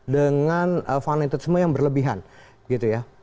dengan fanatisme yang berlebihan gitu ya